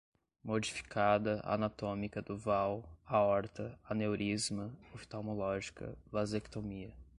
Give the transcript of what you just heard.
modificada, anatômica duval, aorta, aneurisma, oftalmológica, vasectomia